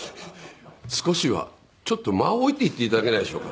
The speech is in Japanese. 少しはちょっと間を置いて言って頂けないでしょうか？